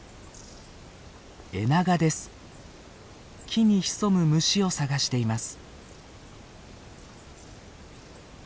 木に潜む虫を探しています。